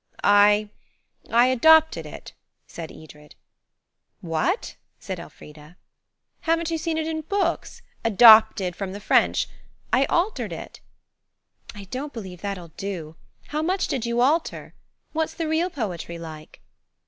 "I–I adopted it," said Edred. "?" said Elfrida. "Haven't you seen it in books, 'Adopted from the French'? I altered it." "I don't believe that'll do. How much did you alter? What's the real poetry like?"